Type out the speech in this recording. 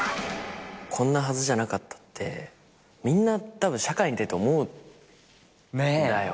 こんなはずじゃなかったってみんなたぶん社会に出て思うんだよ。